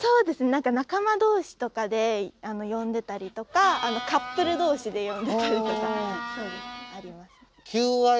何か仲間同士とかで呼んでたりとかカップル同士で呼んでたりとか。